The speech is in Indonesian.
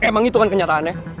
emang itu kan kenyataannya